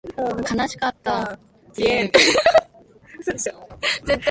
悲しかった